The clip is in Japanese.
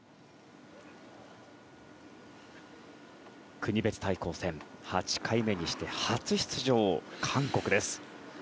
国別対抗戦８回目にして初出場の韓国です。